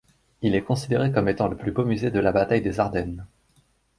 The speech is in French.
Il est considéré comme étant le plus beau musée de la bataille des Ardennes.